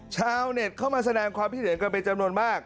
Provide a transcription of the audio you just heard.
ชาวเน็ตเข้ามาแสดงความคิดเห็นกันเป็นจำนวนมาก